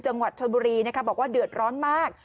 จังหวัดชนบุรีนะคะบอกว่าเดือดร้อนมาก